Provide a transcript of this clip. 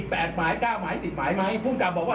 เขาก็ต้องบอกจับตัว